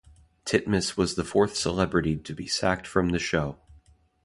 Titmuss was the fourth celebrity to be sacked from the show.